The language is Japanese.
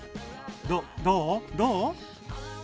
どどう？どう？